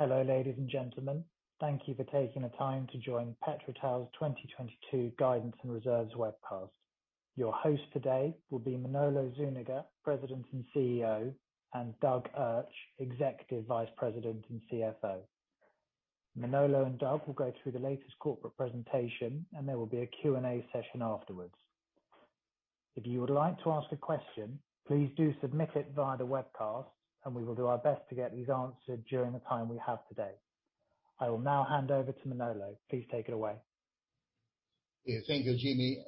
Hello, ladies and gentlemen. Thank you for taking the time to join PetroTal's 2022 Guidance and Reserves webcast. Your host today will be Manolo Zuniga, President and CEO, and Doug Urch, Executive Vice President and CFO. Manolo and Doug will go through the latest corporate presentation, and there will be a Q&A session afterwards. If you would like to ask a question, please do submit it via the webcast, and we will do our best to get these answered during the time we have today. I will now hand over to Manolo. Please take it away. Yeah. Thank you, Jimmy,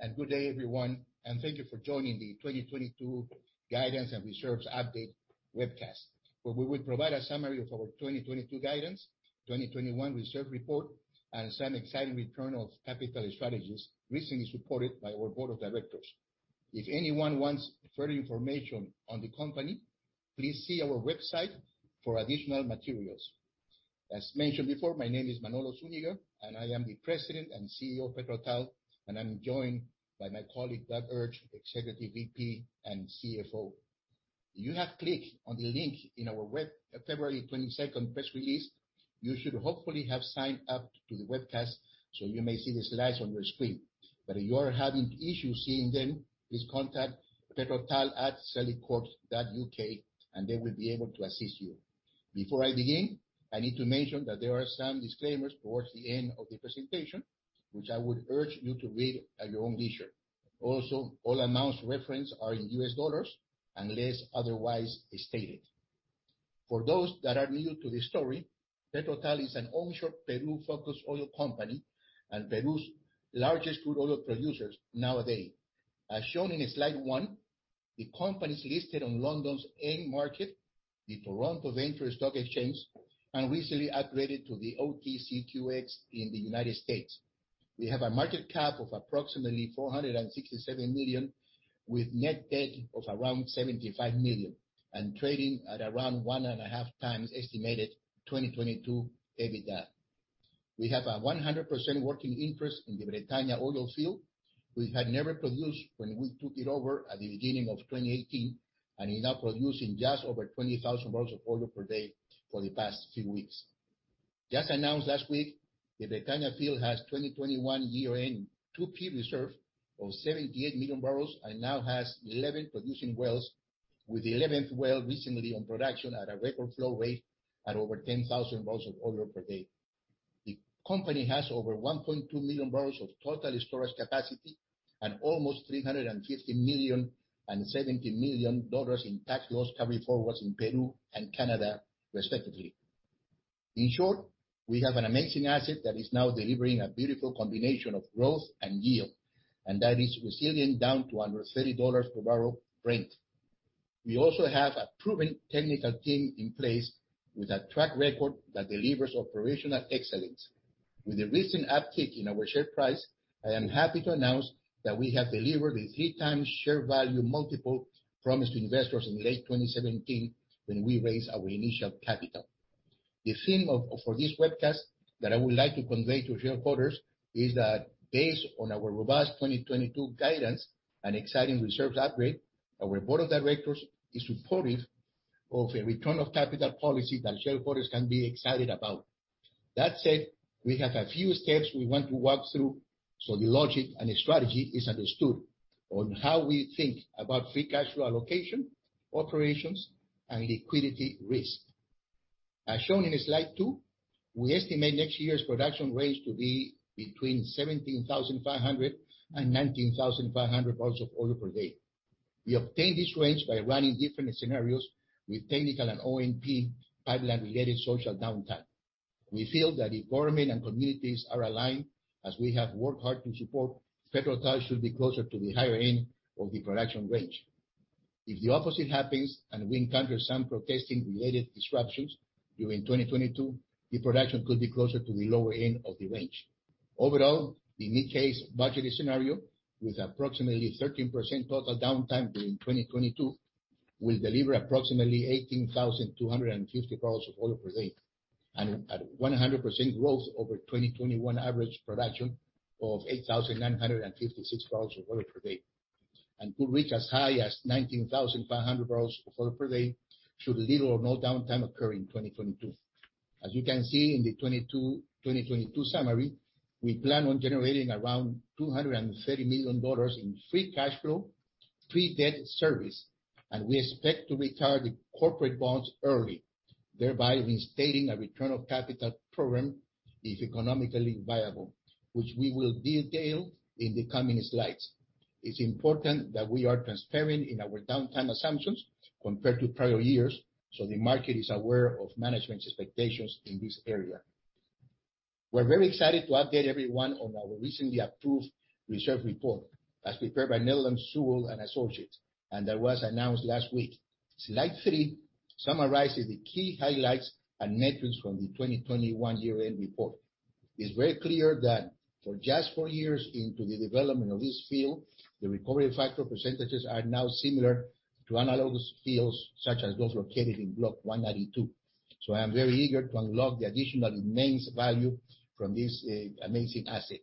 and good day, everyone, and thank you for joining the 2022 Guidance and Reserves Update webcast, where we will provide a summary of our 2022 guidance, 2021 reserve report, and some exciting return of capital strategies recently supported by our board of directors. If anyone wants further information on the company, please see our website for additional materials. As mentioned before, my name is Manolo Zuniga, and I am the President and CEO of PetroTal, and I'm joined by my colleague, Doug Urch, Executive VP and CFO. You have clicked on the link in our February 22 press release. You should hopefully have signed up to the webcast, so you may see the slides on your screen. But if you are having issues seeing them, please contact petrotal@celicourt.uk, and they will be able to assist you. Before I begin, I need to mention that there are some disclaimers towards the end of the presentation, which I would urge you to read at your own leisure. Also, all amounts referenced are in US dollars unless otherwise stated. For those that are new to the story, PetroTal is an onshore Peru-Focused oil company and Peru's largest crude oil producers nowadays. As shown in slide one, the company's listed on London's AIM market, the TSX Venture Exchange, and recently upgraded to the OTCQX in the United States. We have a market cap of approximately $467 million, with net debt of around $75 million, and trading at around 1.5 times estimated 2022 EBITDA. We have a 100% working interest in the Bretaña oil field. We had never produced when we took it over at the beginning of 2018, and it is now producing just over 20,000 barrels of oil per day for the past few weeks. Just announced last week, the Bretaña field has 2021 year-end 2P reserve of 78 million barrels, and now has 11 producing wells, with the 11th well recently on production at a record flow rate of over 10,000 barrels of oil per day. The company has over 1.2 million barrels of total storage capacity and almost $350 million and $70 million in tax loss carryforwards in Peru and Canada, respectively. In short, we have an amazing asset that is now delivering a beautiful combination of growth and yield, and that is resilient down to under $30 per barrel Brent. We also have a proven technical team in place with a track record that delivers operational excellence. With the recent uptick in our share price, I am happy to announce that we have delivered the 3x share value multiple promised to investors in late 2017 when we raised our initial capital. The theme for this webcast that I would like to convey to shareholders is that based on our robust 2022 guidance and exciting reserves upgrade, our board of directors is supportive of a return of capital policy that shareholders can be excited about. That said, we have a few steps we want to walk through, so the logic and the strategy is understood on how we think about free cash flow allocation, operations, and liquidity risk. As shown in slide 2, we estimate next year's production range to be between 17,500 and 19,500 barrels of oil per day. We obtain this range by running different scenarios with technical and ONP pipeline-related social downtime. We feel that if government and communities are aligned, as we have worked hard to support, PetroTal should be closer to the higher end of the production range. If the opposite happens, and we encounter some protesting-related disruptions during 2022, the production could be closer to the lower end of the range. Overall, the Mid-Case budgeted scenario with approximately 13% total downtime during 2022 will deliver approximately 18,250 barrels of oil per day at 100% growth over 2021 average production of 8,956 barrels of oil per day, and could reach as high as 19,500 barrels of oil per day should little or no downtime occur in 2022. As you can see in the 2022 summary, we plan on generating around $230 million in free cash flow, pre-debt service, and we expect to retire the corporate bonds early, thereby reinstating a return of capital program if economically viable, which we will detail in the coming slides. It's important that we are transparent in our downtime assumptions compared to prior years, so the market is aware of management's expectations in this area. We're very excited to update everyone on our recently approved reserve report, as prepared by Netherland, Sewell & Associates, and that was announced last week. Slide 3 summarizes the key highlights and metrics from the 2021 year-end report. It's very clear that for just 4 years into the development of this field, the recovery factor percentages are now similar to analogous fields such as those located in Block 192. I am very eager to unlock the additional immense value from this, amazing asset.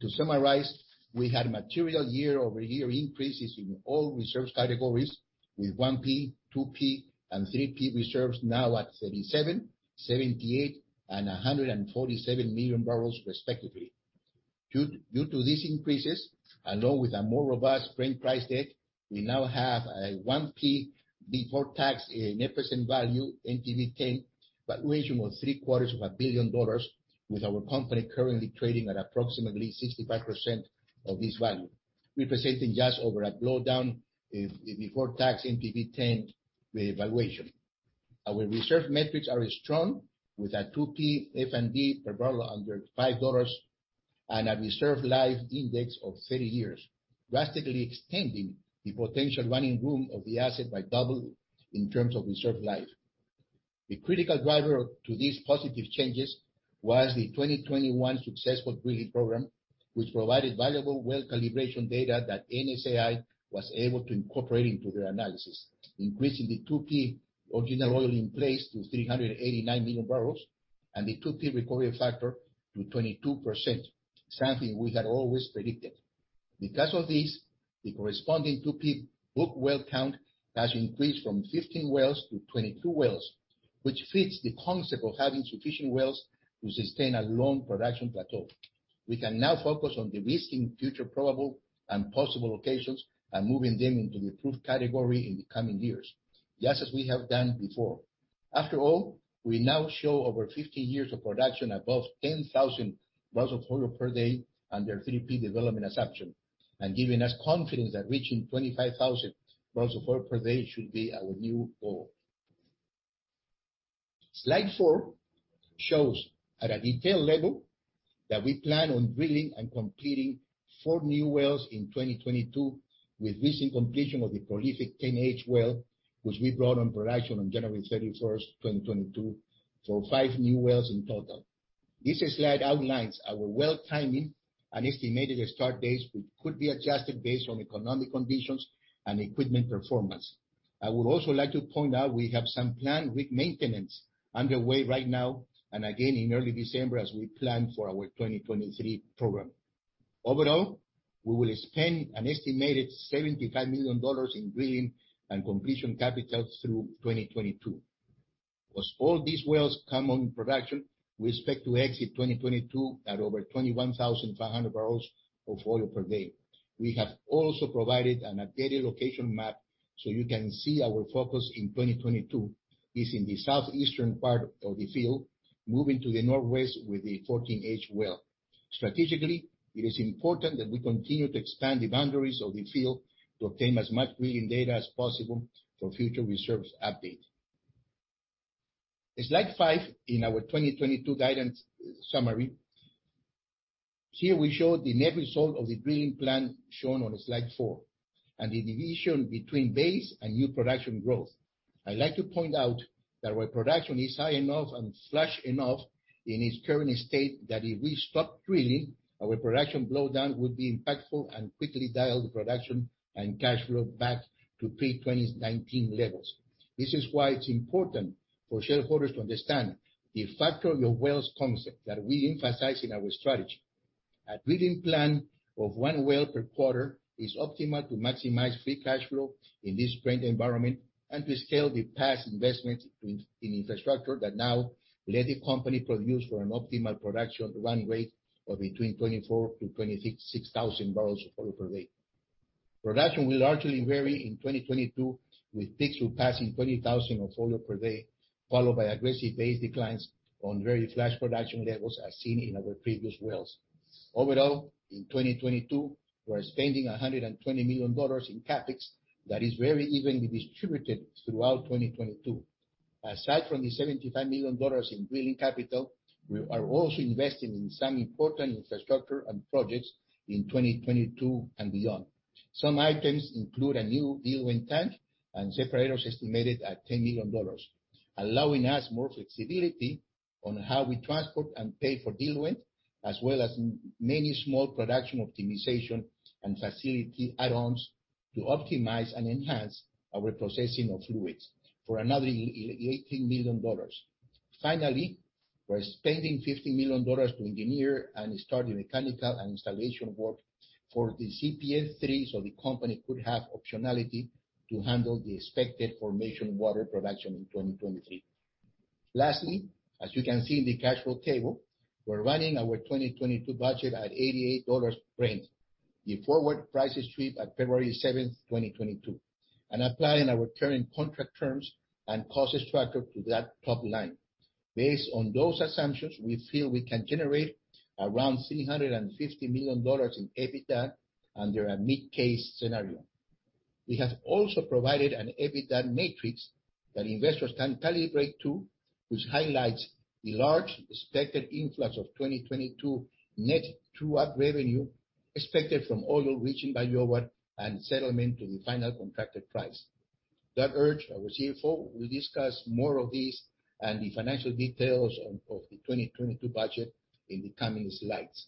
To summarize, we had material year-over-year increases in all reserves categories with 1P, 2P, and 3P reserves now at 37, 78, and 147 million barrels respectively. Due to these increases, along with a more robust current price deck, we now have a 1P before tax net present value NPV10 valuation of 3 quarters of a billion dollars, with our company currently trading at approximately 65% of this value, representing uncertain. Our reserve metrics are strong with a 2P F&D per barrel under $5 and a reserve life index of 30 years, drastically extending the potential running room of the asset by double in terms of reserve life. The critical driver to these positive changes was the 2021 successful drilling program, which provided valuable well calibration data that NSAI was able to incorporate into their analysis, increasing the 2P original oil in place to 389 million barrels and the 2P recovery factor to 22%, something we had always predicted. Because of this, the corresponding 2P book well count has increased from 15 wells to 22 wells, which fits the concept of having sufficient wells to sustain a long production plateau. We can now focus on de-risking future probable and possible locations and moving them into the approved category in the coming years, just as we have done before. After all, we now show over 50 years of production above 10,000 barrels of oil per day under 3P development assumption and giving us confidence that reaching 25,000 barrels of oil per day should be our new goal. Slide 4 shows at a detailed level that we plan on drilling and completing 4 new wells in 2022 with recent completion of the prolific 10H well, which we brought on production on January 31, 2022 for 5 new wells in total. This slide outlines our well timing and estimated start dates, which could be adjusted based on economic conditions and equipment performance. I would also like to point out we have some planned rig maintenance underway right now and again in early December as we plan for our 2023 program. Overall, we will spend an estimated $75 million in drilling and completion capital through 2022. As all these wells come on production, we expect to exit 2022 at over 21,500 barrels of oil per day. We have also provided an updated location map, so you can see our focus in 2022 is in the southeastern part of the field, moving to the northwest with the 14H well. Strategically, it is important that we continue to expand the boundaries of the field to obtain as much reading data as possible for future reserves update. In slide 5 in our 2022 guidance summary, here we show the net result of the drilling plan shown on slide 4 and the division between base and new production growth. I'd like to point out that our production is high enough and flush enough in its current state that if we stop drilling, our production blow down would be impactful and quickly dial the production and cash flow back to pre-2019 levels. This is why it's important for shareholders to understand the factor of your wells concept that we emphasize in our strategy. A drilling plan of one well per 1/4 is optimal to maximize free cash flow in this current environment and to scale the past investments in infrastructure that now let the company produce for an optimal production run rate of between 24,000-26,000 barrels of oil per day. Production will largely vary in 2022, with peaks surpassing 20,000 of oil per day, followed by aggressive base declines on very flush production levels as seen in our previous wells. Overall, in 2022, we're spending $120 million in CapEx that is very evenly distributed throughout 2022. Aside from the $75 million in drilling capital, we are also investing in some important infrastructure and projects in 2022 and beyond. Some items include a new diluent tank and separators estimated at $10 million, allowing us more flexibility on how we transport and pay for diluent, as well as many small production optimization and facility add-ons to optimize and enhance our processing of fluids for another $18 million. Finally, we're spending $50 million to engineer and start the mechanical and installation work for the CPF-3 so the company could have optionality to handle the expected formation water production in 2023. Lastly, as you can see in the cash flow table, we're running our 2022 budget at $88 per bbl, the forward price sweep at February 7, 2022, and applying our current contract terms and cost structure to that top line. Based on those assumptions, we feel we can generate around $350 million in EBITDA under a Mid-Case scenario. We have also provided an EBITDA matrix that investors can calibrate to, which highlights the large expected influx of 2022 net true-up revenue expected from oil reaching by over and settlement to the final contracted price. That said, our CFO will discuss more of these and the financial details of the 2022 budget in the coming slides.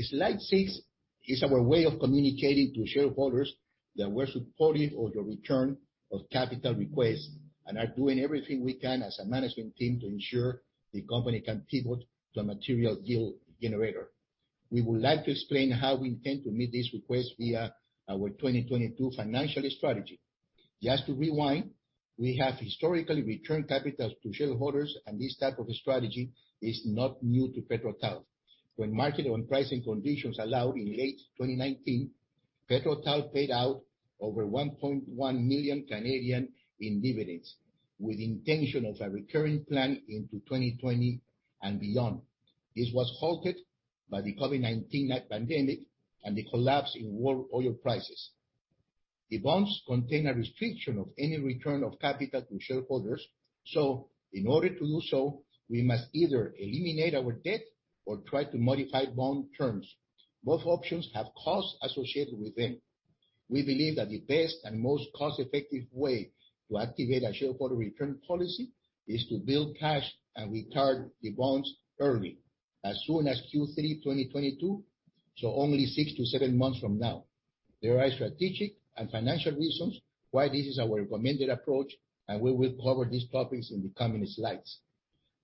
Slide 6 is our way of communicating to shareholders that we're supportive of the return of capital requests, and are doing everything we can as a management team to ensure the company can pivot to a material yield generator. We would like to explain how we intend to meet this request via our 2022 financial strategy. Just to rewind, we have historically returned capital to shareholders, and this type of a strategy is not new to PetroTal. When market conditions allow in late 2019, PetroTal paid out over 1.1 million in dividends, with intention of a recurring plan into 2020 and beyond. This was halted by the COVID-19 pandemic and the collapse in world oil prices. The bonds contain a restriction of any return of capital to shareholders. In order to do so, we must either eliminate our debt or try to modify bond terms. Both options have costs associated with them. We believe that the best and most cost-effective way to activate a shareholder return policy is to build cash and retire the bonds early, as soon as Q3 2022, so only 6-7 months from now. There are strategic and financial reasons why this is our recommended approach, and we will cover these topics in the coming slides.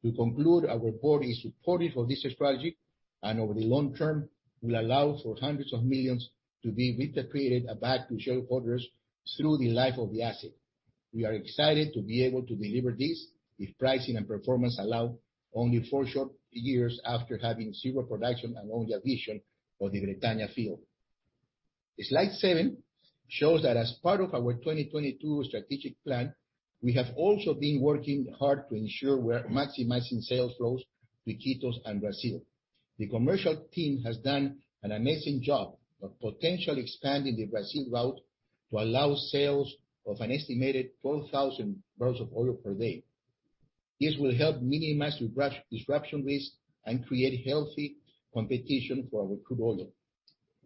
To conclude, our board is supportive of this strategy, and over the long term will allow for hundreds of millions to be repatriated back to shareholders through the life of the asset. We are excited to be able to deliver this with pricing and performance all in only 4 short years after having zero production and only a vision for the Bretaña field. Slide 7 shows that as part of our 2022 strategic plan, we have also been working hard to ensure we're maximizing sales flows to Iquitos and Brazil. The commercial team has done an amazing job of potentially expanding the Brazil route to allow sales of an estimated 12,000 barrels of oil per day. This will help minimize disruption risk and create healthy competition for our crude oil.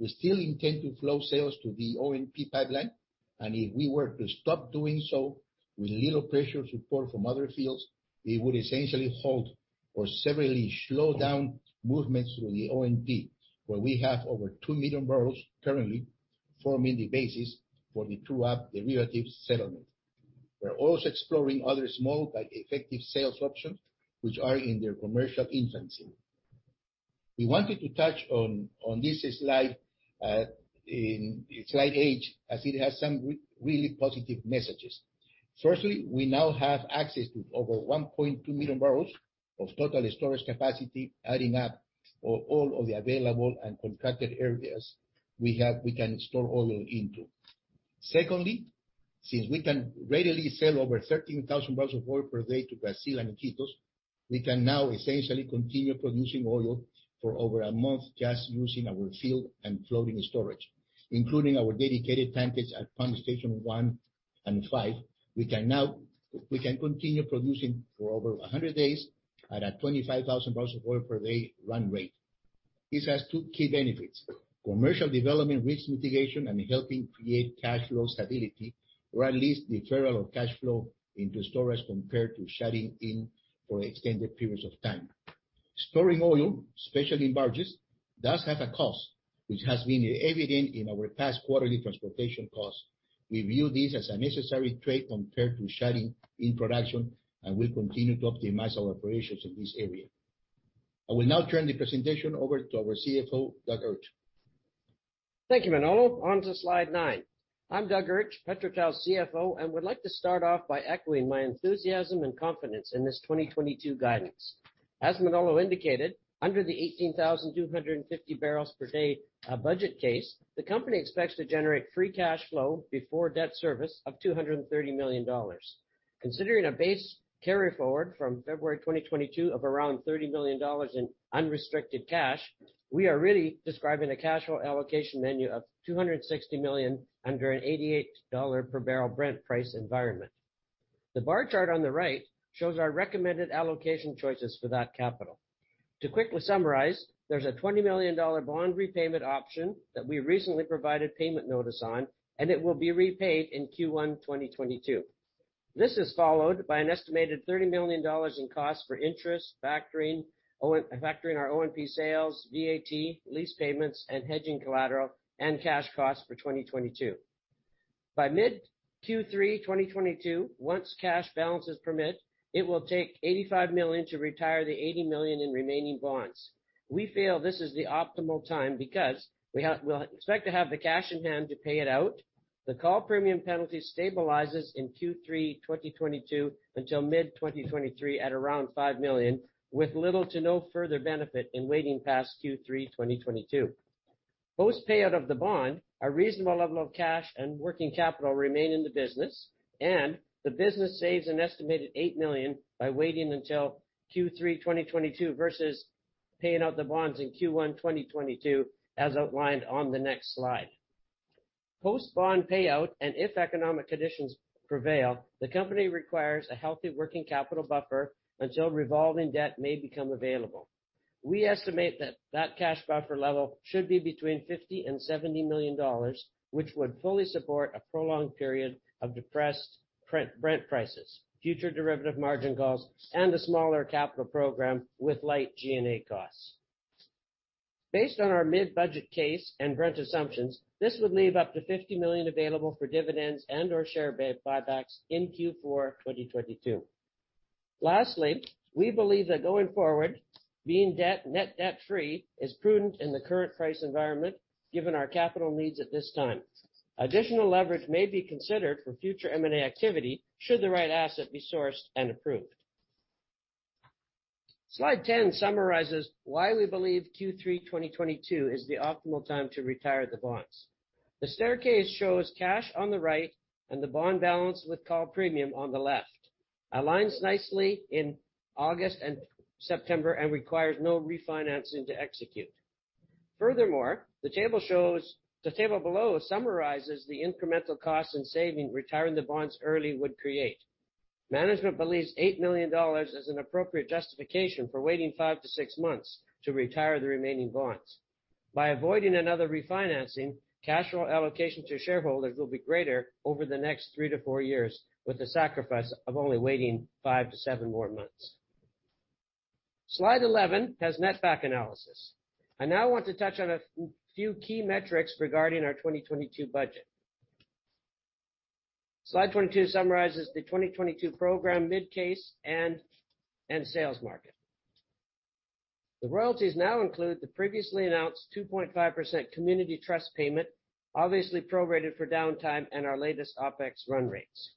We still intend to flow sales to the OMP pipeline, and if we were to stop doing so with little pressure support from other fields, it would essentially halt or severely slow down movements through the OMP, where we have over 2 million barrels currently forming the basis for the true-up derivatives settlement. We're also exploring other small but effective sales options which are in their commercial infancy. We wanted to touch on this slide in slide 8, as it has some really positive messages. Firstly, we now have access to over 1.2 million barrels of total storage capacity, adding up all of the available and contracted areas we have we can store oil into. Secondly, since we can readily sell over 13,000 barrels of oil per day to Brazil and Iquitos, we can now essentially continue producing oil for over a month just using our field and floating storage. Including our dedicated tankage at pump station 1 and 5, we can continue producing for over 100 days at a 25,000 barrels of oil per day run rate. This has 2 key benefits, commercial development, risk mitigation, and helping create cash flow stability, or at least deferral of cash flow into storage compared to shutting in for extended periods of time. Storing oil, especially in barges, does have a cost, which has been evident in our past quarterly transportation costs. We view this as a necessary trade compared to shutting in production, and we'll continue to optimize our operations in this area. I will now turn the presentation over to our CFO, Doug Urch. Thank you, Manolo. On to slide 9. I'm Doug Urch, PetroTal CFO, and would like to start off by echoing my enthusiasm and confidence in this 2022 guidance. As Manolo indicated, under the 18,250 barrels per day budget case, the company expects to generate free cash flow before debt service of $230 million. Considering a base carry forward from February 2022 of around $30 million in unrestricted cash, we are really describing a cash flow allocation menu of $260 million under an $88 per barrel Brent price environment. The bar chart on the right shows our recommended allocation choices for that capital. To quickly summarize, there's a $20 million bond repayment option that we recently provided payment notice on, and it will be repaid in Q1 2022. This is followed by an estimated $30 million in costs for interest, factoring our ONP sales, VAT, lease payments, and hedging collateral, and cash costs for 2022. By mid-Q3 2022, once cash balances permit, it will take $85 million to retire the $80 million in remaining bonds. We feel this is the optimal time because we'll expect to have the cash on hand to pay it out. The call premium penalty stabilizes in Q3 2022 until Mid-2023 at around $5 million, with little to no further benefit in waiting past Q3 2022. Post payout of the bond, a reasonable level of cash and working capital remain in the business, and the business saves an estimated $8 million by waiting until Q3 2022 versus paying out the bonds in Q1 2022, as outlined on the next slide. Post bond payout, if economic conditions prevail, the company requires a healthy working capital buffer until revolving debt may become available. We estimate that cash buffer level should be between $50 million and $70 million, which would fully support a prolonged period of depressed Brent prices, future derivative margin calls, and a smaller capital program with light G&A costs. Based on our Mid-Budget case and Brent assumptions, this would leave up to $50 million available for dividends and/or share buybacks in Q4 2022. Lastly, we believe that going forward, being net debt-free is prudent in the current price environment, given our capital needs at this time. Additional leverage may be considered for future M&A activity should the right asset be sourced and approved. Slide 10 summarizes why we believe Q3 2022 is the optimal time to retire the bonds. The staircase shows cash on the right and the bond balance with call premium on the left. Aligns nicely in August and September, and requires no refinancing to execute. Furthermore, the table below summarizes the incremental costs and savings retiring the bonds early would create. Management believes $8 million is an appropriate justification for waiting 5 to 6 months to retire the remaining bonds. By avoiding another refinancing, cash flow allocation to shareholders will be greater over the next 3 to 4 years, with the sacrifice of only waiting 5 to 7 more months. Slide 11 has netback analysis. I now want to touch on a few key metrics regarding our 2022 budget. Slide 22 summarizes the 2022 program Mid-Case and sales market. The royalties now include the previously announced 2.5% community trust payment, obviously prorated for downtime and our latest OpEx run rates.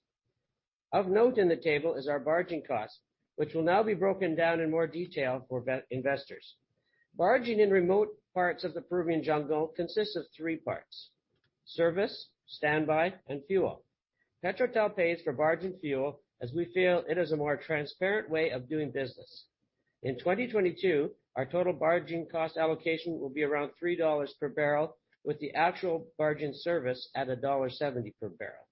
Of note in the table is our barging cost, which will now be broken down in more detail for investors. Barging in remote parts of the Peruvian jungle consists of 3 parts: service, standby, and fuel. PetroTal pays for barging fuel as we feel it is a more transparent way of doing business. In 2022, our total barging cost allocation will be around $3 per barrel, with the actual barging service at $1.70 per barrel.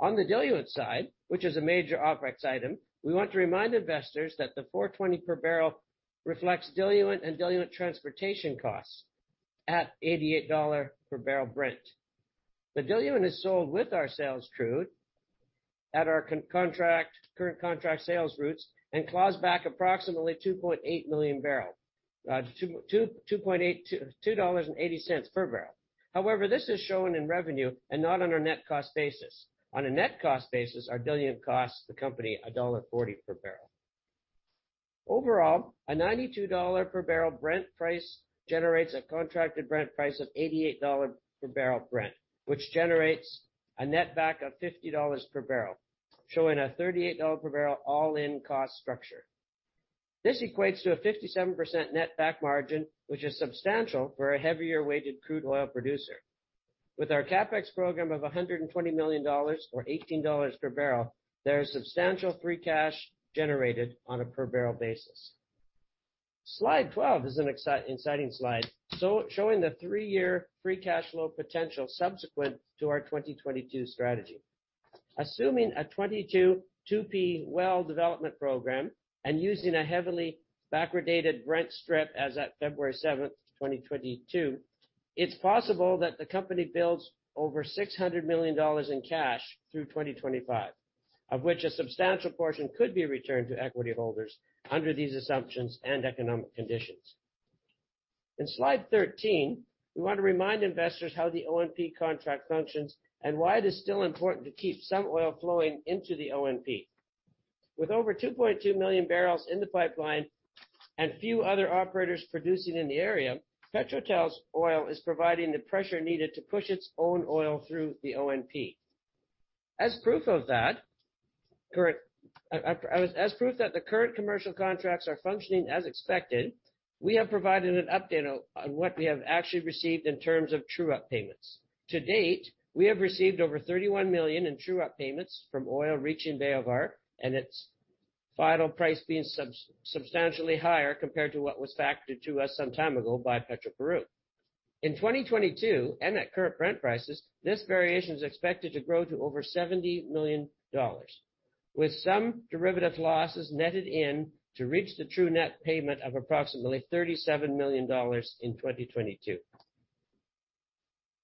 On the diluent side, which is a major OpEx item, we want to remind investors that the $4.20 per barrel reflects diluent and diluent transportation costs at $88 per barrel Brent. The diluent is sold with our sales crude at our current contract sales routes and claws back approximately $2.80 per barrel. Two dollars and eight y cents per barrel. However, this is shown in revenue and not on a net cost basis. On a net cost basis, our diluent costs the company $1.40 per barrel. Overall, a $92 per barrel Brent price generates a contracted Brent price of $88 per barrel Brent, which generates a netback of $50 per barrel, showing a $38 per barrel all-in cost structure. This equates to a 57% netback margin, which is substantial for a heavier-weighted crude oil producer. With our CapEx program of $120 million or $18 per barrel, there is substantial free cash generated on a per barrel basis. Slide 12 is an exciting slide, showing the 3-year free cash flow potential subsequent to our 2022 strategy. Assuming a 22 2P well development program and using a heavily backwardated Brent strip as at February 7, 2022, it's possible that the company builds over $600 million in cash through 2025, of which a substantial portion could be returned to equity holders under these assumptions and economic conditions. In Slide 13, we want to remind investors how the ONP contract functions and why it is still important to keep some oil flowing into the ONP. With over 2.2 million barrels in the pipeline and few other operators producing in the area, PetroTal's oil is providing the pressure needed to push its own oil through the ONP. As proof that the current commercial contracts are functioning as expected, we have provided an update on what we have actually received in terms of true-up payments. To date, we have received over $31 million in true-up payments from oil reaching Bayóvar, and its final price being substantially higher compared to what was factored to us some time ago by Petroperú. In 2022, and at current Brent prices, this variation is expected to grow to over $70 million, with some derivative losses netted in to reach the true net payment of approximately $37 million in 2022.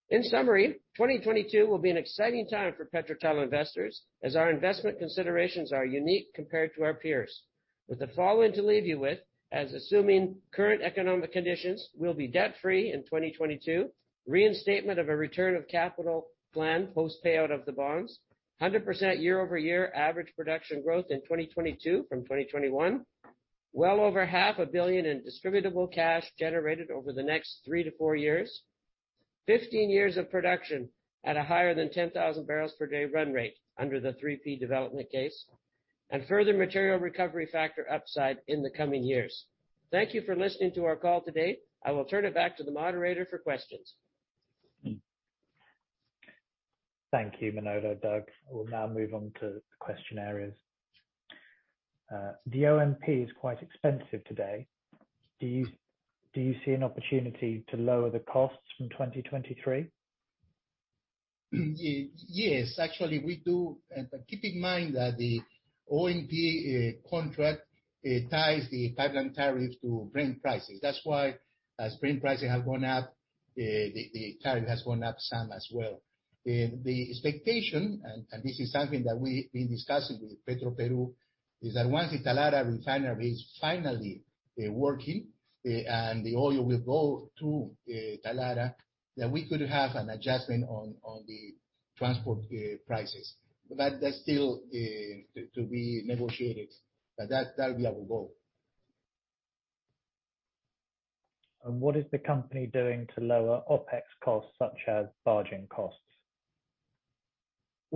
In summary, 2022 will be an exciting time for PetroTal investors as our investment considerations are unique compared to our peers. With the following to leave you with, assuming current economic conditions, we'll be debt-free in 2022, reinstatement of a return of capital plan post-payout of the bonds, 100% year-over-year average production growth in 2022 from 2021, well over $ 1/2 a billion in distributable cash generated over the next 3-4 years, 15 years of production at a higher than 10,000 barrels per day run rate under the 3P development case, and further material recovery factor upside in the coming years. Thank you for listening to our call today. I will turn it back to the moderator for questions. Thank you, Manolo, Doug. We'll now move on to the question areas. The OMP is quite expensive today. Do you see an opportunity to lower the costs from 2023? Yes, actually, we do. Keep in mind that the OMP contract ties the pipeline tariff to Brent prices. That's why as Brent prices have gone up, the tariff has gone up some as well. The expectation, and this is something that we've been discussing with Petroperú, is that once the Talara refinery is finally working, and the oil will go through Talara, that we could have an adjustment on the transport prices. That's still to be negotiated. That would be our goal. What is the company doing to lower OpEx costs such as barging costs?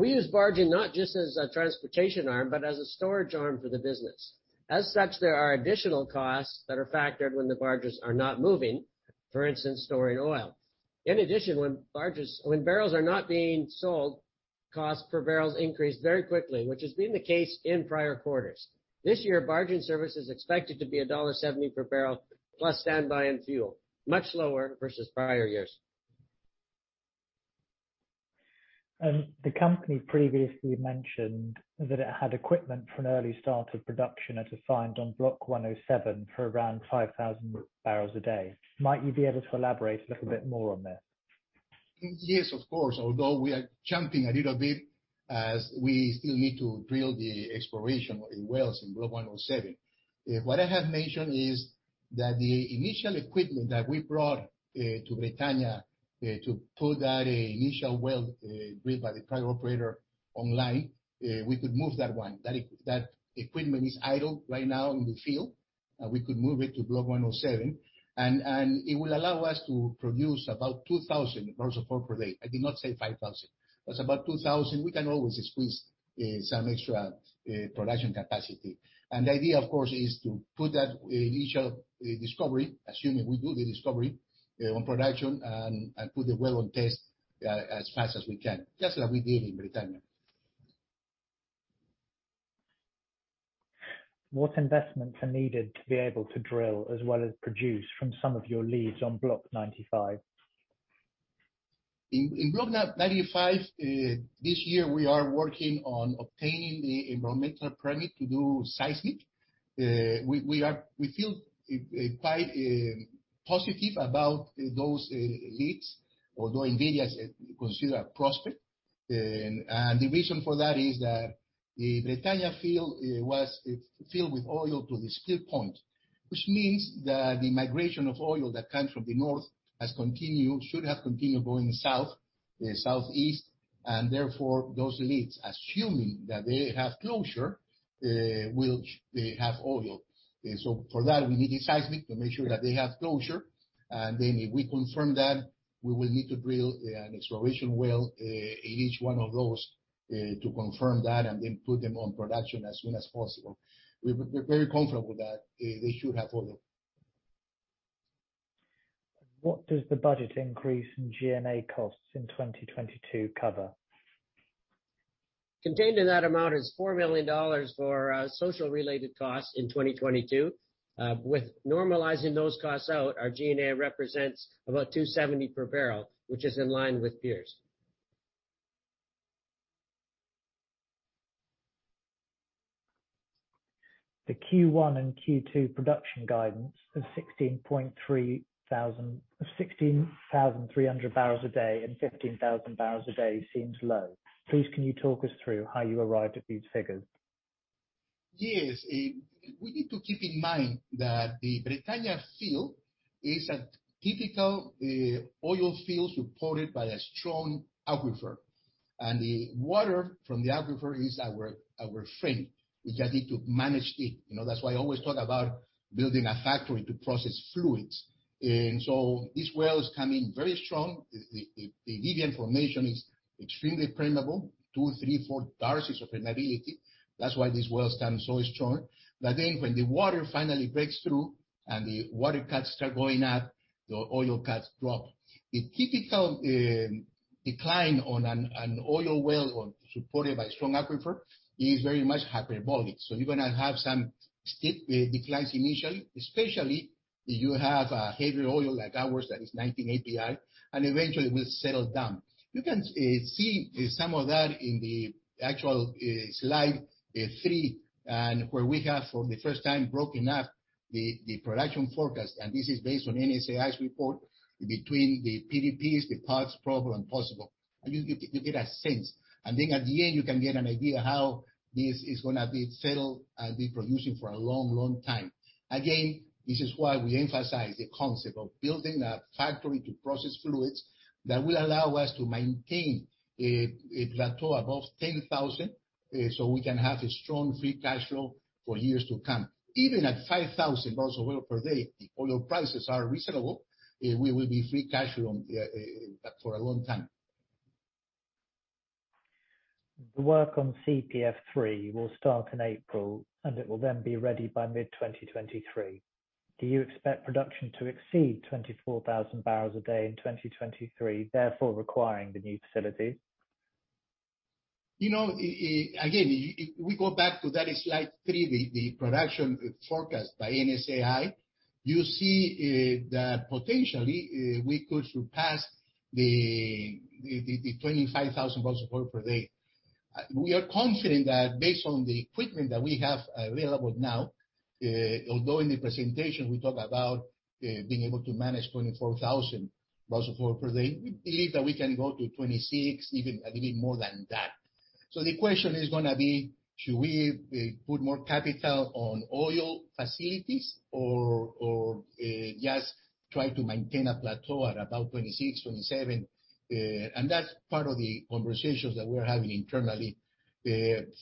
We use barging not just as a transportation arm, but as a storage arm for the business. As such, there are additional costs that are factored when the barges are not moving, for instance, storing oil. In addition, when barrels are not being sold, cost per barrel increases very quickly, which has been the case in prior quarters. This year, barging service is expected to be $1.70 per barrel, plus standby and fuel. Much lower versus prior years. The company previously mentioned that it had equipment for an early start of production at a site on Block 107 for around 5,000 barrels a day. Might you be able to elaborate a little bit more on this? Yes, of course. Although we are jumping a little bit as we still need to drill the exploration wells in Block 107. What I have mentioned is that the initial equipment that we brought to Bretaña to put that initial well drilled by the private operator online we could move that one. That equipment is idle right now in the field, and we could move it to Block 107. It will allow us to produce about 2,000 barrels of oil per day. I did not say 5,000. That's about 2,000. We can always squeeze some extra production capacity. The idea, of course, is to put that initial discovery, assuming we do the discovery, on production and put the well on test as fast as we can, just like we did in Bretaña. What investments are needed to be able to drill as well as produce from some of your leads on Block 95? In Block 95, this year we are working on obtaining the environmental permit to do seismic. We feel quite positive about those leads, although Invictus is considered a prospect. The reason for that is that the Bretaña field was filled with oil to the spill point, which means that the migration of oil that comes from the north has continued, should have continued going south, southeast. Therefore, those leads, assuming that they have closure, will have oil. For that, we need the seismic to make sure that they have closure. Then if we confirm that, we will need to drill an exploration well in each one of those to confirm that and then put them on production as soon as possible. We're very confident with that. They should have oil. What does the budget increase in G&A costs in 2022 cover? Contained in that amount is $4 million for social related costs in 2022. With normalizing those costs out, our G&A represents about $270 per barrel, which is in line with peers. The Q1 and Q2 production guidance of 16,300 barrels a day and 15,000 barrels a day seems low. Please, can you talk us through how you arrived at these figures? Yes. We need to keep in mind that the Bretaña field is a typical oil field supported by a strong aquifer, and the water from the aquifer is our friend. We just need to manage it, you know? That's why I always talk about building a factory to process fluids. These wells come in very strong. The Vivian Formation is extremely permeable, 2, 3, 4 darcies of permeability. That's why these wells stand so strong. When the water finally breaks through and the water cuts start going up, the oil cuts drop. The typical decline on an oil well supported by strong aquifer is very much hyperbolic. You're gonna have some steep declines initially, especially if you have a heavier oil like ours that is 19 API, and eventually will settle down. You can see some of that in the actual slide 3, and where we have for the first time broken up the production forecast, and this is based on NSAI's report between the PDPs, the proved, probable and possible. You get a sense. At the end, you can get an idea how this is gonna be settled and be producing for a long time. Again, this is why we emphasize the concept of building a factory to process fluids that will allow us to maintain a plateau above 10,000, so we can have a strong free cash flow for years to come. Even at 5,000 barrels of oil per day, if oil prices are reasonable, we will be free cash flow for a long time. The work on CPF-3 will start in April, and it will then be ready by mid-2023. Do you expect production to exceed 24,000 barrels a day in 2023, therefore requiring the new facility? You know, again, we go back to that slide 3, the production forecast by NSAI. You see, that potentially we could surpass the 25,000 barrels of oil per day. We are confident that based on the equipment that we have available now, although in the presentation we talked about being able to manage 24,000 barrels of oil per day, we believe that we can go to 26, even, I believe, more than that. The question is gonna be: Should we put more capital on oil facilities or just try to maintain a plateau at about 26-27? That's part of the conversations that we're having internally.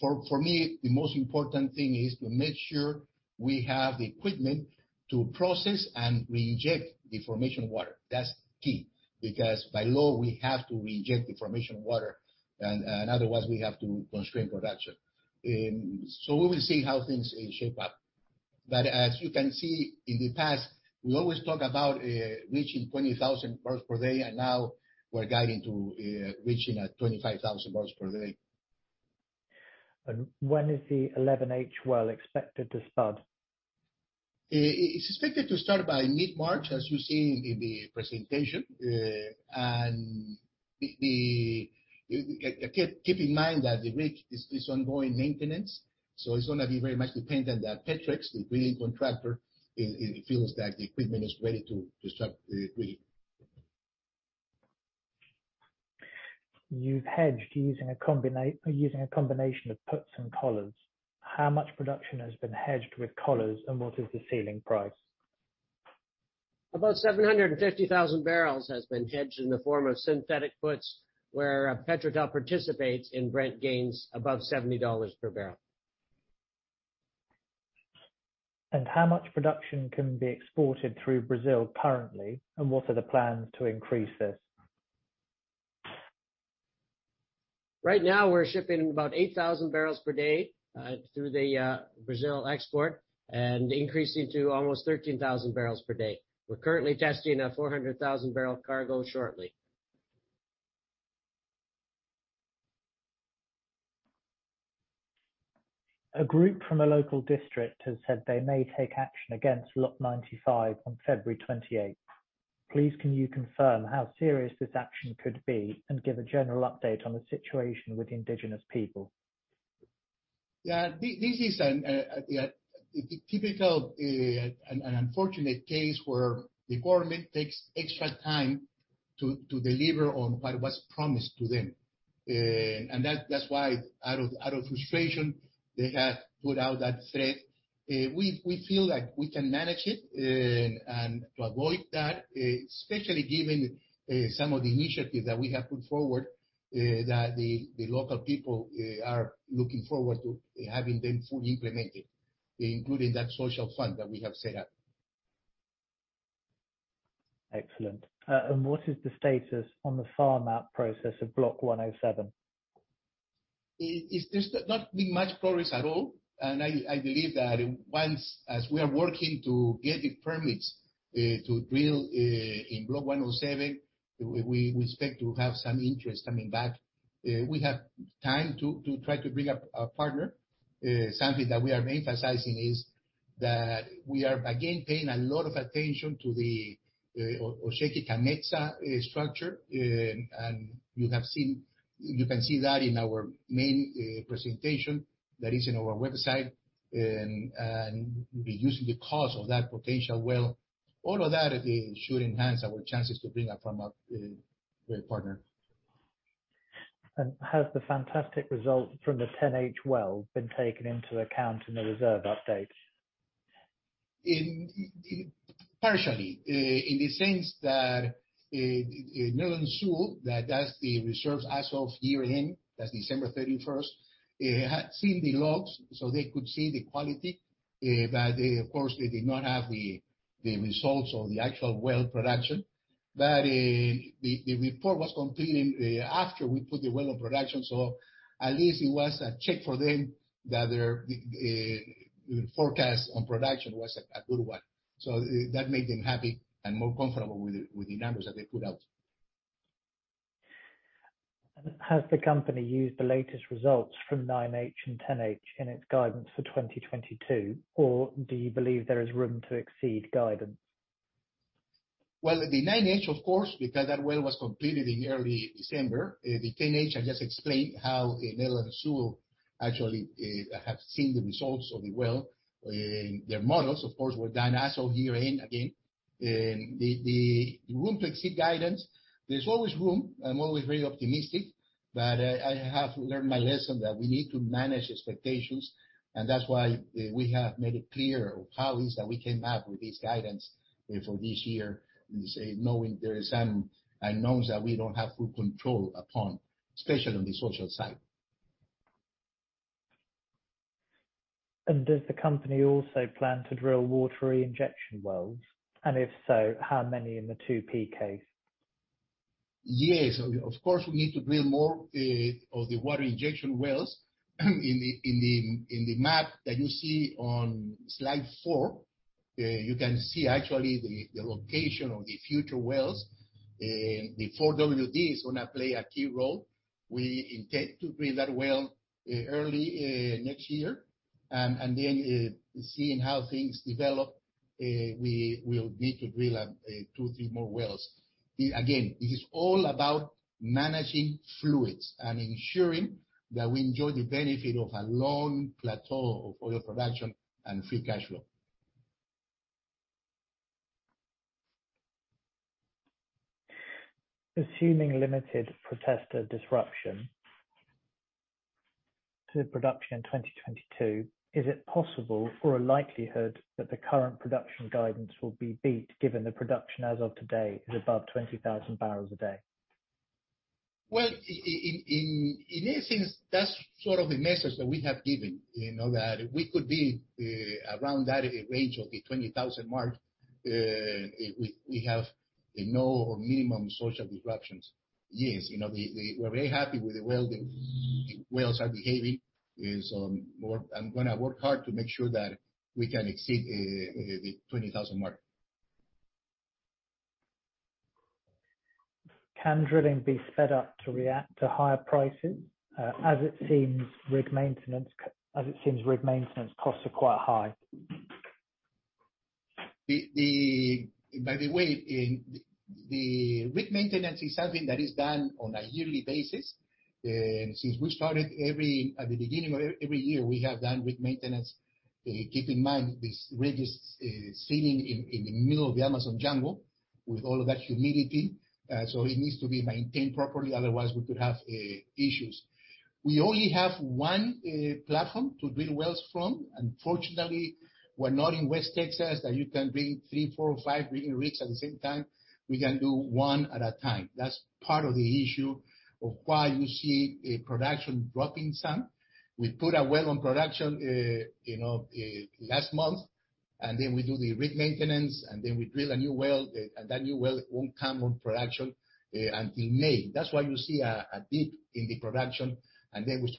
For me, the most important thing is to make sure we have the equipment to process and reinject the formation water. That's key. Because by law, we have to reinject the formation water, and otherwise we have to constrain production. We will see how things shape up. As you can see in the past, we always talk about reaching 20,000 barrels per day, and now we're guiding to reaching 25,000 barrels per day. When is the 11H well expected to spud? It's expected to start by mid-March, as you see in the presentation. Keep in mind that the rig is ongoing maintenance, so it's gonna be very much dependent that Petrex, the drilling contractor, feels that the equipment is ready to start drilling. You've hedged using a combination of puts and collars. How much production has been hedged with collars, and what is the ceiling price? About 750,000 barrels has been hedged in the form of synthetic puts, where PetroTal participates in Brent gains above $70 per barrel. How much production can be exported through Brazil currently, and what are the plans to increase this? Right now, we're shipping about 8,000 barrels per day through the Brazil export, and increasing to almost 13,000 barrels per day. We're currently testing a 400,000-barrel cargo shortly. A group from a local district has said they may take action against Block 95 on February 28. Please can you confirm how serious this action could be, and give a general update on the situation with indigenous people? Yeah. This is a typical, an unfortunate case where the government takes extra time to deliver on what was promised to them. That's why out of frustration, they have put out that threat. We feel like we can manage it, and to avoid that, especially given some of the initiatives that we have put forward, that the local people are looking forward to having them fully implemented, including that social fund that we have set up. Excellent. What is the status on the farm-out process of Block 107? It's just not been much progress at all. I believe that once, as we are working to get the permits to drill in Block 107, we expect to have some interest coming back. We have time to try to bring up a partner. Something that we are emphasizing is that we are again paying a lot of attention to the Osheki structure and you can see that in our main presentation that is in our website and reducing the cost of that potential well. All of that, it should enhance our chances to bring a farm partner. Has the fantastic result from the 10H well been taken into account in the reserve update? Partially. In the sense that Netherland, Sewell & Associates that does the reserves as of year-end, that's December 31, had seen the logs so they could see the quality, but they, of course, they did not have the results or the actual well production. The report was completed after we put the well on production. At least it was a check for them that their forecast on production was a good one. That made them happy and more comfortable with the numbers that they put out. Has the company used the latest results from 9H well and 10H well in its guidance for 2022, or do you believe there is room to exceed guidance? Well, the 9H well, of course, because that well was completed in early December. The 10H well, I just explained how Netherland, Sewell & Associates actually have seen the results of the well. Their models, of course, were done as of year-end, again. The room to exceed guidance, there's always room. I'm always very optimistic. I have learned my lesson that we need to manage expectations, and that's why we have made it clear how is that we came up with this guidance for this year, knowing there is some unknowns that we don't have full control upon, especially on the social side. Does the company also plan to drill water injection wells? If so, how many in the 2 P case? Yes. Of course, we need to drill more of the water injection wells. In the map that you see on slide 4, you can see actually the location of the future wells. The 4WD well is gonna play a key role. We intend to drill that well early next year, and then seeing how things develop. We will need to drill 2, 3 more wells. Again, it is all about managing fluids and ensuring that we enjoy the benefit of a long plateau of oil production and free cash flow. Assuming limited protester disruption to production in 2022, is it possible or a likelihood that the current production guidance will be beat, given the production as of today is above 20,000 barrels a day? In essence, that's sort of the message that we have given, you know, that we could be around that range of the 20,000 mark, if we have no major social disruptions. Yes. You know, we're very happy with how well the wells are behaving. I'm gonna work hard to make sure that we can exceed the 20,000 mark. Can drilling be sped up to react to higher prices? As it seems, rig maintenance costs are quite high. By the way, the rig maintenance is something that is done on a yearly basis. Since we started, at the beginning of every year, we have done rig maintenance. Keep in mind, this rig is sitting in the middle of the Amazon jungle with all of that humidity. So it needs to be maintained properly, otherwise we could have issues. We only have one platform to drill wells from. Unfortunately, we're not in West Texas, that you can bring 3, 4, 5 rigs at the same time. We can do one at a time. That's part of the issue of why you see production dropping some. We put a well on production, you know, last month, and then we do the rig maintenance, and then we drill a new well. That new well won't come on production until May. That's why you see a dip in the production, and then we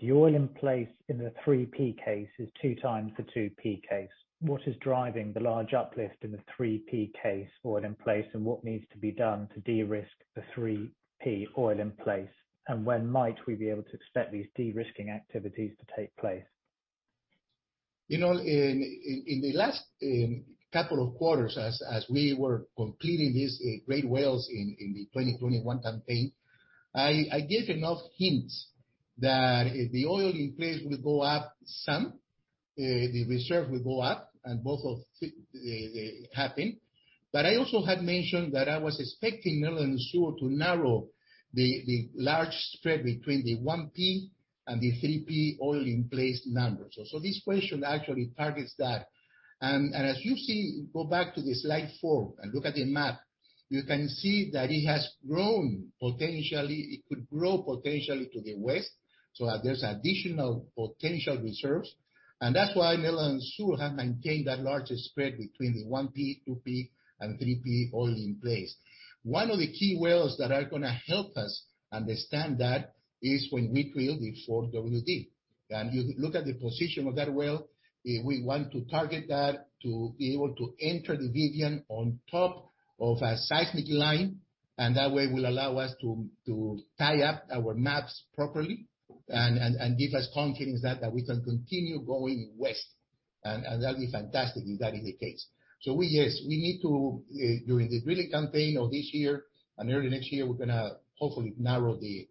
The oil in place in the 3P case is 2 times the 2P case. What is driving the large uplift in the 3P case oil in place, and what needs to be done to de-risk the 3P oil in place? When might we be able to expect these de-risking activities to take place? You know, in the last couple of quarters, as we were completing these great wells in the 2021 campaign, I gave enough hints that if the oil in place will go up some, the reserve will go up, and both of them happen. I also had mentioned that I was expecting Netherland, Sewell & Associates to narrow the large spread between the 1P and the 3P oil in place numbers. This question actually targets that. As you see, go back to the slide 4 and look at the map. You can see that it has grown. Potentially, it could grow potentially to the west, so that there's additional potential reserves. That's why Netherland, Sewell & Associates have maintained that larger spread between the 1P, 2P, and 3P oil in place. One of the key wells that are gonna help us understand that is when we drill the 4WD well. You look at the position of that well, if we want to target that to be able to enter the Vivian on top of a seismic line, and that way will allow us to tie up our maps properly and give us confidence that we can continue going west. That'll be fantastic if that indicates. We need to during the drilling campaign of this year and early next year, we're gonna hopefully narrow the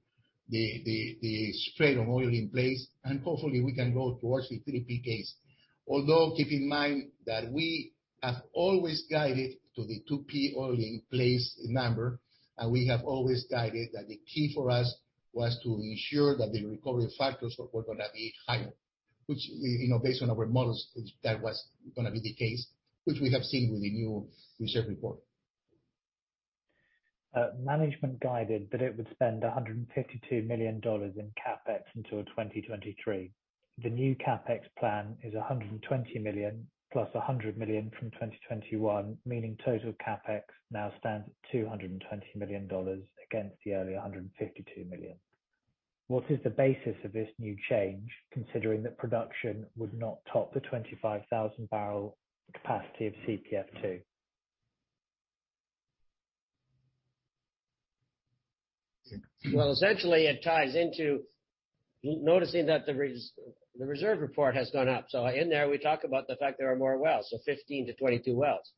spread of oil in place, and hopefully we can go towards the 3P case. Although, keep in mind that we have always guided to the 2P oil in place number, and we have always guided that the key for us was to ensure that the recovery factors were gonna be higher, which, you know, based on our models, that was gonna be the case, which we have seen with the new reserve report. Management guided that it would spend $152 million in CapEx until 2023. The new CapEx plan is $120 million plus $100 million from 2021, meaning total CapEx now stands at $220 million against the earlier $152 million. What is the basis of this new change, considering that production would not top the 25,000 barrel capacity of CPF-2? Well, essentially, it ties into noticing that the reserve report has gone up. In there, we talk about the fact there are more wells, so 15-22 wells.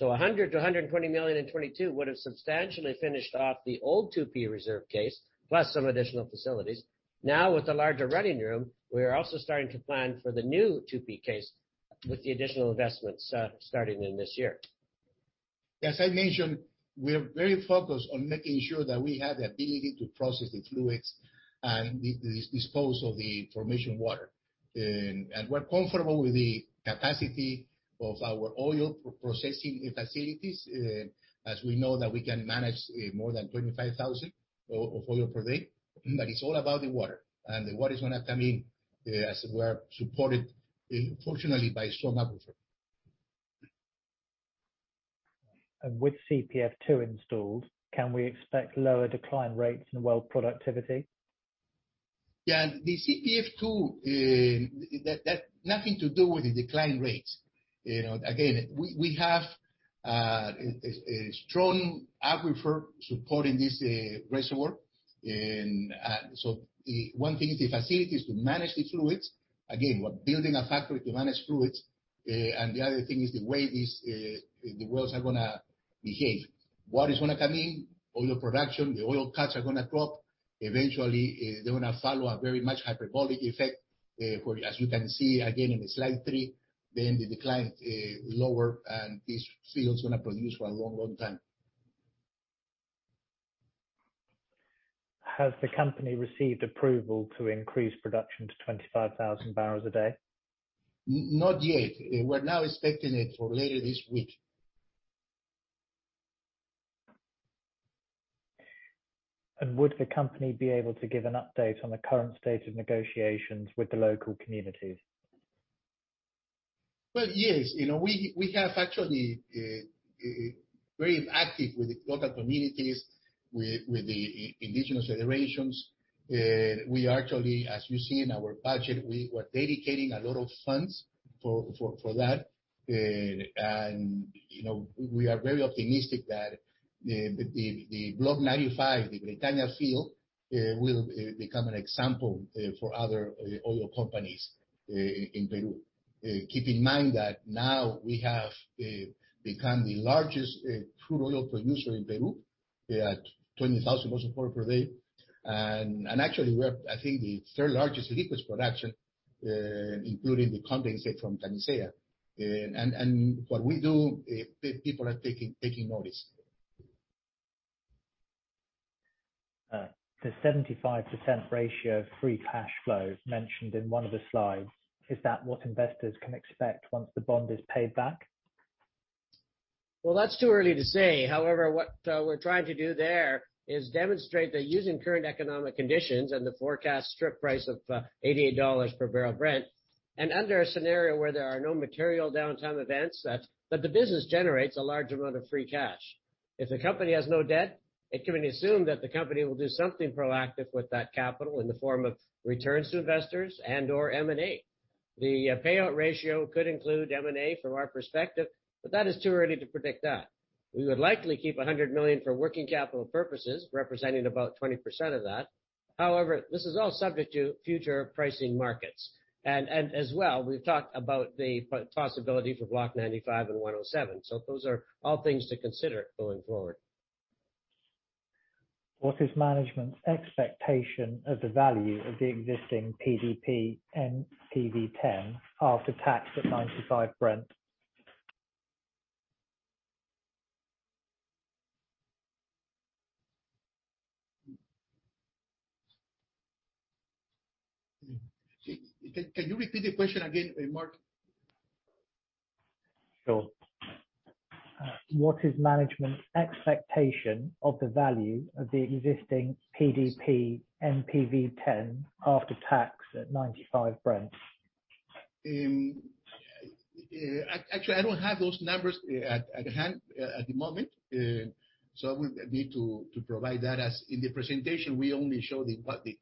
$100 million-$120 million in 2022 would have substantially finished off the old 2P reserve case, plus some additional facilities. Now, with the larger running room, we are also starting to plan for the new 2P case with the additional investments, starting in this year. As I mentioned, we are very focused on making sure that we have the ability to process the fluids and dispose of the formation water. We're comfortable with the capacity of our oil processing facilities, as we know that we can manage more than 25,000 barrels of oil per day. It's all about the water, and the water is gonna come in as we're supported fortunately by some aquifer. With CPF-2 installed, can we expect lower decline rates in well productivity? Yeah. The CPF-2, that nothing to do with the decline rates. You know, again, we have a strong aquifer supporting this reservoir. The one thing is the facilities to manage the fluids. Again, we're building a factory to manage fluids. The other thing is the way these wells are gonna behave. Water's gonna come in, oil production, the oil cuts are gonna drop. Eventually, they're gonna follow a very much hyperbolic effect, as you can see again in the slide 3, then the decline lower and this field's gonna produce for a long, long time. Has the company received approval to increase production to 25,000 barrels a day? Not yet. We're now expecting it for later this week. Would the company be able to give an update on the current state of negotiations with the local communities? Well, yes. You know, we have actually very active with the local communities, with the indigenous federations. We actually, as you see in our budget, we were dedicating a lot of funds for that. You know, we are very optimistic that the Block 95, the Bretaña field, will become an example for other oil companies in Peru. Keep in mind that now we have become the largest crude oil producer in Peru at 20,000 barrels per day. Actually, we're I think the 1/3 largest liquids production, including the condensate from Camisea. What we do, people are taking notice. The 75% ratio of free cash flow mentioned in one of the slides, is that what investors can expect once the bond is paid back? Well, that's too early to say. However, what we're trying to do there is demonstrate that using current economic conditions and the forecast strip price of $88 per barrel Brent, and under a scenario where there are no material downtime events, that the business generates a large amount of free cash. If the company has no debt, it can be assumed that the company will do something proactive with that capital in the form of returns to investors and/or M&A. The payout ratio could include M&A from our perspective, but that is too early to predict that. We would likely keep $100 million for working capital purposes, representing about 20% of that. However, this is all subject to future pricing markets. As well, we've talked about the possibility for Block 95 and 107. Those are all things to consider going forward. What is management's expectation of the value of the existing PDP NPV10 after tax at $95 Brent? Can you repeat the question again, Mark? Sure. What is management's expectation of the value of the existing PDP NPV10 after tax at 95 Brent? Actually, I don't have those numbers at hand at the moment. I would need to provide that. As in the presentation, we only show the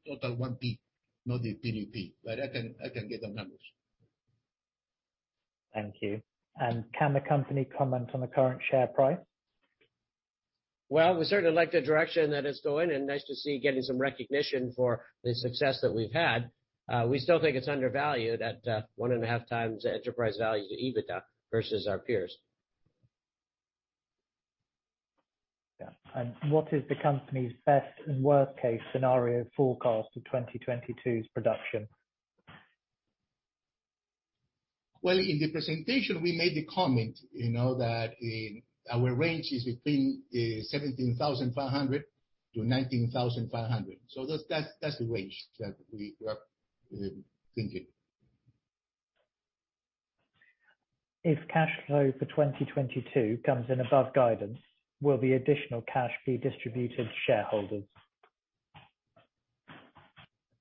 total 1P, not the PDP. I can get the numbers. Thank you. Can the company comment on the current share price? Well, we certainly like the direction that it's going, and nice to see getting some recognition for the success that we've had. We still think it's undervalued at 1.5x enterprise value to EBITDA versus our peers. Yeah. What is the company's best and worst case scenario forecast for 2022's production? Well, in the presentation, we made the comment, you know, that our range is between 17,500-19,500. So that's the range that we are thinking. If cash flow for 2022 comes in above guidance, will the additional cash be distributed to shareholders?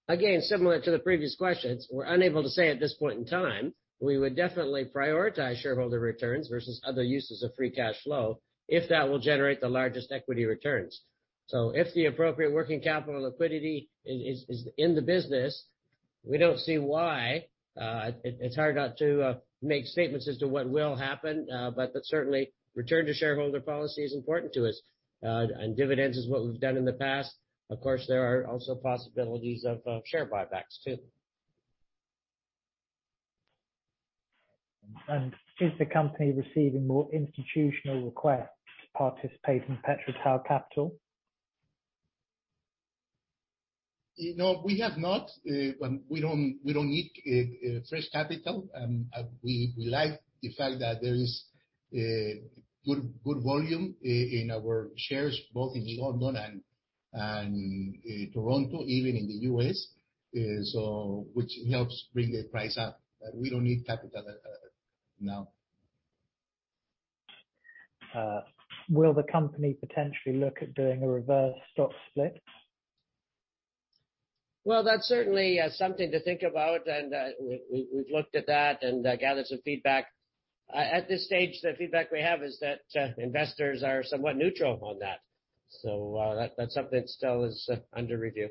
Again, similar to the previous questions, we're unable to say at this point in time. We would definitely prioritize shareholder returns versus other uses of free cash flow if that will generate the largest equity returns. If the appropriate working capital and liquidity is in the business, we don't see why. It's hard not to make statements as to what will happen, but certainly return to shareholder policy is important to us. Dividends is what we've done in the past. Of course, there are also possibilities of share buybacks too. Is the company receiving more institutional requests to participate in PetroTal capital? You know, we have not. We don't need fresh capital. We like the fact that there is good volume in our shares, both in London and Toronto, even in the U.S., which helps bring the price up. We don't need capital now. Will the company potentially look at doing a reverse stock split? Well, that's certainly something to think about. We've looked at that and gathered some feedback. At this stage, the feedback we have is that investors are somewhat neutral on that. That's something that still is under review.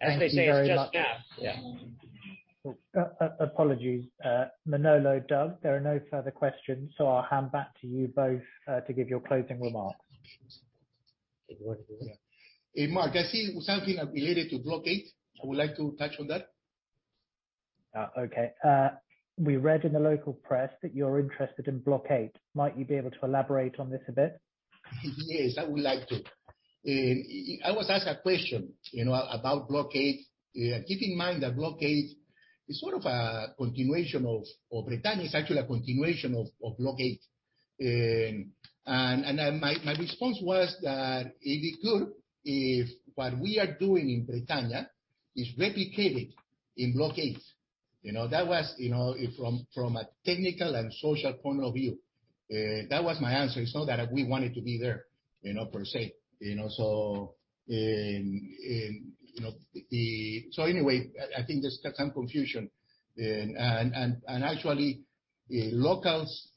As they say, it's just gas. Yeah. Apologies, Manolo, Doug, there are no further questions, so I'll hand back to you both, to give your closing remarks. Good work. Yeah. Hey, Mark, I see something related to Block Eight. I would like to touch on that. We read in the local press that you're interested in Block 8. Might you be able to elaborate on this a bit? Yes, I would like to. I was asked that question, you know, about Block 8. Keep in mind that Bretaña is actually a continuation of Block 8. My response was that it'd be good if what we are doing in Bretaña is replicated in Block 8. You know, that was from a technical and social point of view. That was my answer. It's not that we wanted to be there, you know, per se. You know, anyway, I think there's some confusion. Actually, locals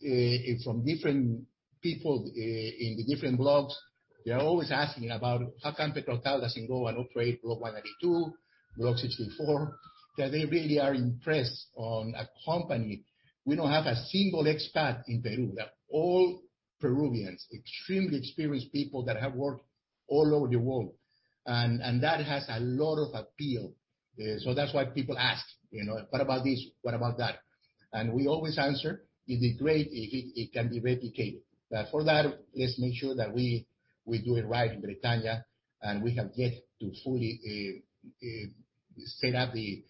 from different people in the different blocks, they're always asking about how come PetroTal doesn't go and operate Block 92, Block 64. That they really are impressed on a company. We don't have a single expat in Peru. They're all Peruvians, extremely experienced people that have worked all over the world, and that has a lot of appeal. That's why people ask, you know, "What about this? What about that?" We always answer, "It is great. It can be replicated." For that, let's make sure that we do it right in Bretaña, and we have yet to fully set up the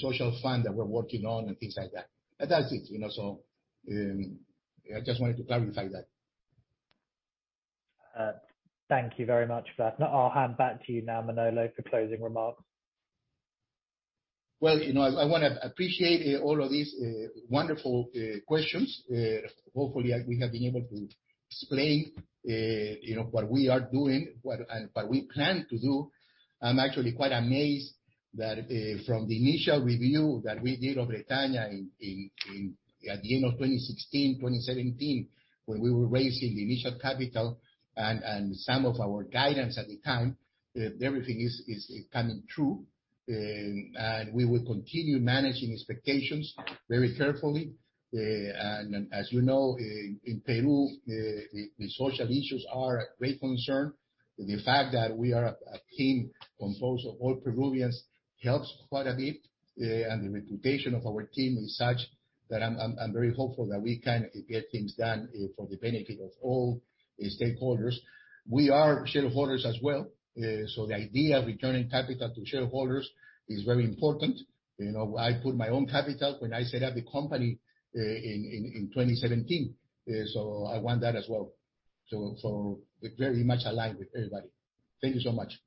social fund that we're working on and things like that. That's it, you know. I just wanted to clarify that. Thank you very much for that. Now I'll hand back to you now, Manolo, for closing remarks. Well, you know, I wanna appreciate all of these wonderful questions. Hopefully we have been able to explain, you know, what we are doing, what we plan to do. I'm actually quite amazed that from the initial review that we did of Bretaña at the end of 2016, 2017, when we were raising initial capital and some of our guidance at the time, everything is coming true. We will continue managing expectations very carefully. As you know, in Peru, the social issues are a great concern. The fact that we are a team composed of all Peruvians helps quite a bit. The reputation of our team is such that I'm very hopeful that we can get things done for the benefit of all stakeholders. We are shareholders as well. The idea of returning capital to shareholders is very important. You know, I put my own capital when I set up the company in 2017. I want that as well. We're very much aligned with everybody. Thank you so much.